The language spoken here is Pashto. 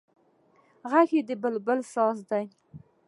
غږ د بلبل ساز دی